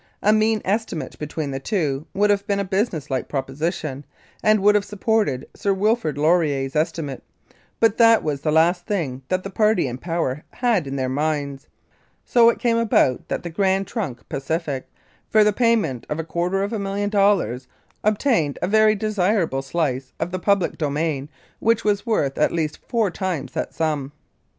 A mean estimate between the two would have been a business like proposition, and would have supported Sir Wilfrid Laurier's estimate, but that was the last thing that the party in power had in their minds, so it came about that the Grand Trunk Pacific, for the payment of a quarter of a million dollars, obtained a very desirable slice of the public domain which was worth at least four times that sum.